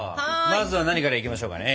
まずは何からいきましょうかね？